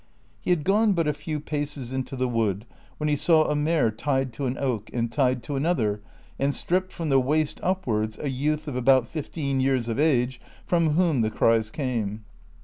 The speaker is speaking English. He had gone but a few paues into ^he wood, when he saw a mare tied to an oak, and tied to another, and stripped from the waist up wards, a youth of about fifteen years of age, from whom the cries came.